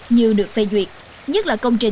như được phê duyệt